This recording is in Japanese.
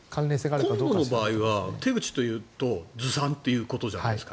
今度の場合は手口というとずさんということじゃないですか。